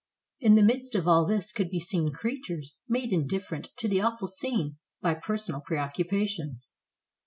In the midst of all this could be seen creatures made indifferent to the awful scene by per sonal preoccupations.